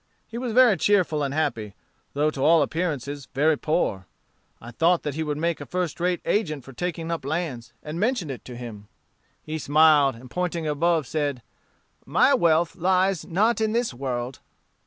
"He was very cheerful and happy, though to all appearances very poor. I thought that he would make a first rate agent for taking up lands, and mentioned it to him. He smiled, and pointing above, said, 'My wealth lies not in this world.'"